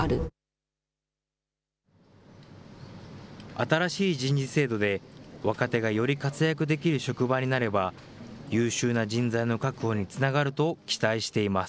新しい人事制度で若手がより活躍できる職場になれば、優秀な人材の確保につながると期待しています。